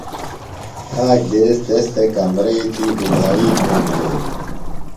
آک دیس تس تھےۡ کمرئی تھی گُبھائی گھرونڈ یھیلیۡ۔